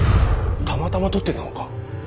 たまたま撮ってたのか？